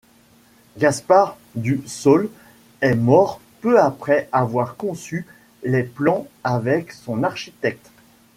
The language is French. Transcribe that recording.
Gaspard du Sauls est mort peu après avoir conçu les plans avec son architecte.